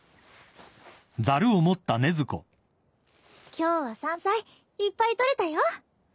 今日は山菜いっぱい採れたよ。